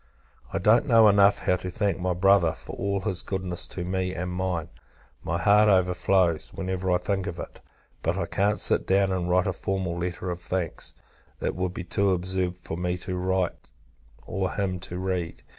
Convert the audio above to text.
I don't know enough how to thank my Brother, for all his goodness to me and mine; my heart overflows, whenever I think of it: but I can't sit down, and write a formal letter of thanks; it would be too absurd for me to write, or him to read.